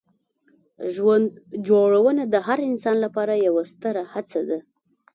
ژوند جوړونه د هر انسان لپاره یوه ستره هڅه ده.